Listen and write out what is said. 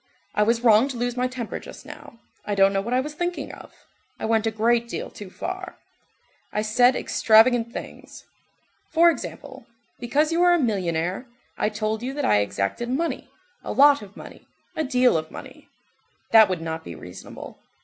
I was wrong to lose my temper just now, I don't know what I was thinking of, I went a great deal too far, I said extravagant things. For example, because you are a millionnaire, I told you that I exacted money, a lot of money, a deal of money. That would not be reasonable.